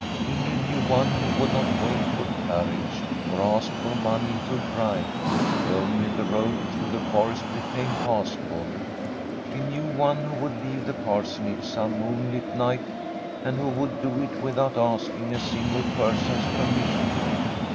Ingrid knew one who would not wait for car riage, or ask for money to drive, if only the road through the forest became passable. She knew one who would leave the Parsonage some moon light night, and who would do it without asking a single person's permission.